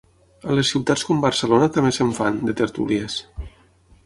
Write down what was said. A les ciutats com Barcelona també se'n fan, de tertúlies.